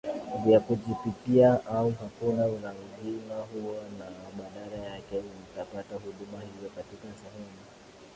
vya kujipikia au hakuna ulazima huo na badala yake mtapata huduma hiyo katika sehemu